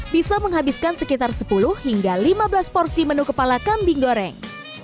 bisa menghabiskan sekitar sepuluh hingga lima belas porsi menu kepala kambing goreng